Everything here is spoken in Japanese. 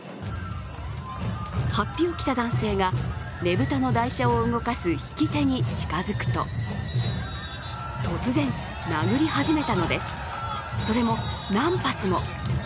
法被を着た男性がねぶたの台車を動かす曳き手に近づくと突然、殴り始めたのですそれも何発も。